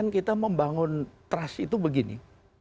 kita membangun trust itu begini